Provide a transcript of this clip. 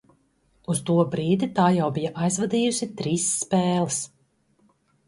Uz to brīdi tā jau bija aizvadījusi trīs spēles.